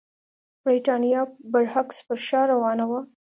برېټانیا برعکس پر شا روانه وه.